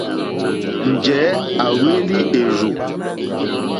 Njɛ̂ à hwélí èrzù.